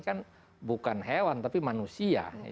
kan bukan hewan tapi manusia